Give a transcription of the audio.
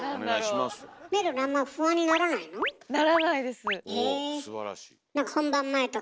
すばらしい。